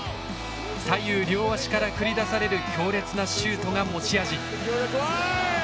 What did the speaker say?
左右両足から繰り出される強烈なシュートが持ち味。